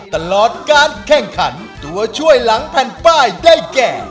ตลอดการแข่งขันตัวช่วยหลังแผ่นป้ายได้แก่